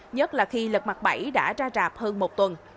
nhất là khi lật mặt bảy đã ra rạp hơn một tuần